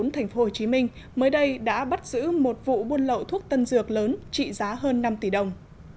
tp hcm mới đây đã bắt giữ một vụ buôn lậu thuốc tân dược lớn trị giá hơn năm tỷ đồng